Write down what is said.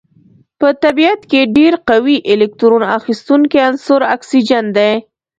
په طبیعت کې ډیر قوي الکترون اخیستونکی عنصر اکسیجن دی.